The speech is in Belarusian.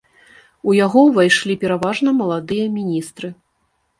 У яго ўвайшлі пераважна маладыя міністры.